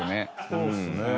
そうですね。